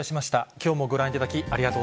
きょうもご覧いただき、ありがと